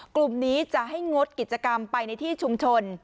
กลุ่มนี้จะให้งดกิจกรรมไปในที่ชุมชน